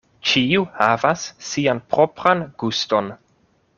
Ĉiu havas sian propran guston.